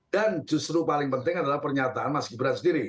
dan justru paling penting adalah pernyataan mas gibran sendiri